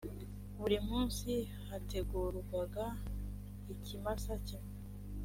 buri munsi hategurwaga ikimasa kimwe